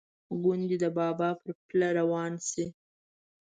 ګوندې د بابا پر پله روان شي.